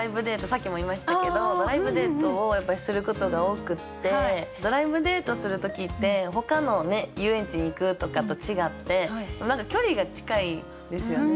さっきも言いましたけどドライブデートをやっぱりすることが多くってドライブデートする時ってほかの遊園地に行くとかと違って何か距離が近いですよね。